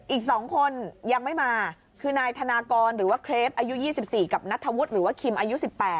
อีก๒คนยังไม่มาคือนายธนากรหรือว่าเครปอายุ๒๔กับนัทธวุฒิหรือว่าคิมอายุ๑๘